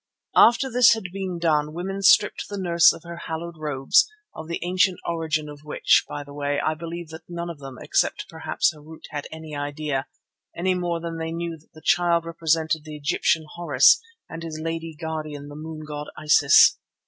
After this had been done women stripped the Nurse of her hallowed robes, of the ancient origin of which, by the way, I believe that none of them, except perhaps Harût, had any idea, any more than they knew that the Child represented the Egyptian Horus and his lady Guardian the moon goddess Isis.